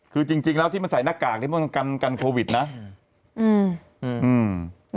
คือจริงจริงแล้วที่มันใส่หน้ากากที่มันกันกันโควิดนะอืมอืม